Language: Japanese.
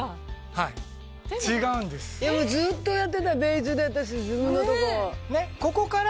ずっとやってたベージュで私自分のとこ。